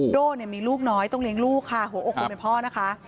โด่มีลูกน้อยต้องเลี้ยงลูกค่ะหัวอกคนเป็นพ่อนะคะ